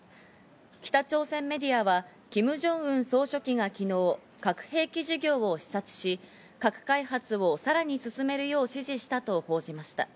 北朝鮮メディアはキム・ジョンウン総書記が昨日、核兵器事業を視察し、核開発をさらに進めるよう指示したと報じました。